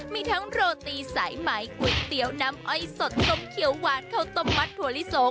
มีทั้งโรตีสายไหมก๋วยเตี๋ยวน้ำอ้อยสดส้มเขียวหวานข้าวต้มมัดถั่วลิสง